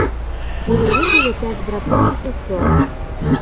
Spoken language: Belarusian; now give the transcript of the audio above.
У яе было пяць братоў і сясцёр.